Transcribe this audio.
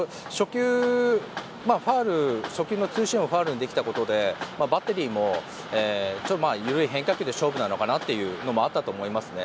初球のツーシームをファウルにできたことでバッテリーも緩い変化球で勝負なのかなというのもあったと思いますね。